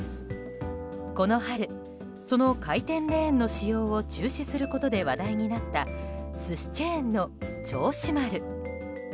この春、その回転レーンの使用を中止することで話題となった寿司チェーンの銚子丸。